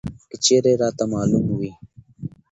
که چېرې راته معلوم وى!